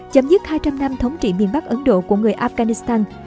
chấm dứt hai trăm linh năm thống trị miền bắc ấn độ của người afghanistan